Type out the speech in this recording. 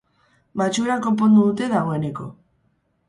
Matxura konpondu dute dagoeneko.